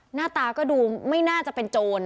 หน้าตาก็ดูไม่น่าจะเป็นโจร